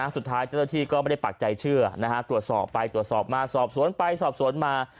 สุดท้ายเจ้าหน้าที่ก็ไม่ได้ปักใจเชื่อตรวจสอบไปตรวจสอบมาสอบสวนไปสอบสวนมา